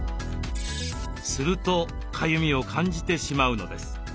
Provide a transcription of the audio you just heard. するとかゆみを感じてしまうのです。